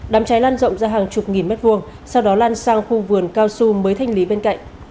đám cháy lan rộng ra hàng chục nghìn mét vuông sau đó lan sang khu vườn cao su mới thanh lý bên cạnh